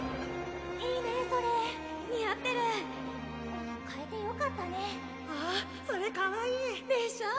いいねそれ似合ってる・買えてよかったね・・あっそれか・でしょう？